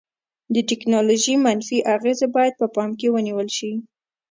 د ټیکنالوژي منفي اغیزې باید په پام کې ونیول شي.